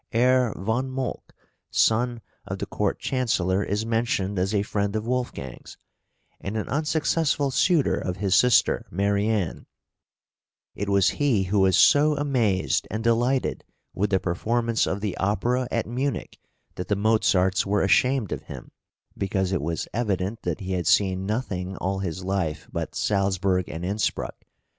Herr von Mölk, son of the Court Chancellor, is mentioned as a friend of Wolfgang's, and an unsuccessful suitor of his sister Marianne; it was he who was so amazed and delighted with the performance of the opera at Munich that the Mozarts were ashamed of him, because it was evident that he had seen nothing all his life but Salzburg and Innspruck.